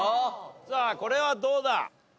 さあこれはどうだ？